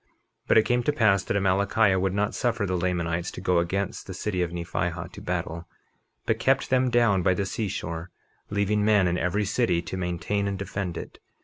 51:25 But it came to pass that Amalickiah would not suffer the Lamanites to go against the city of Nephihah to battle, but kept them down by the seashore, leaving men in every city to maintain and defend it.